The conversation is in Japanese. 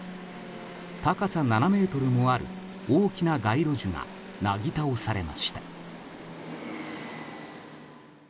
高さ７ｍもある大きな街路樹がなぎ倒されました。